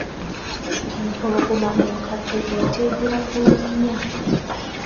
Empologoma enkadde eteegera ku lunnya.